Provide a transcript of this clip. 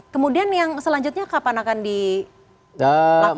kemudian yang selanjutnya kapan akan dilakukan